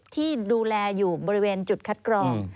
ที่ดูแลอยู่บริเวณจุดคัดกรอง